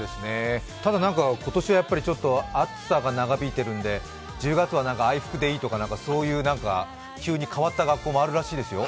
ただ、今年はちょっと暑さが長引いているので、１０月は合服でいいとか、変わった学校もあるみたいですよ。